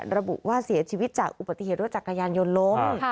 ระบุว่าเสียชีวิตจากอุบัติเหตุรถจักรยานยนต์ล้ม